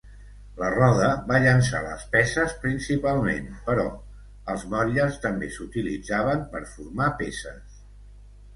La roda va llançar les peces principalment, però els motlles també s'utilitzaven per formar peces.